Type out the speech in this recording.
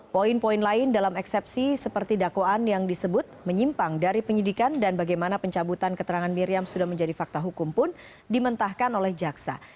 poin poin lain dalam eksepsi seperti dakwaan yang disebut menyimpang dari penyidikan dan bagaimana pencabutan keterangan miriam sudah menjadi fakta hukum pun dimentahkan oleh jaksa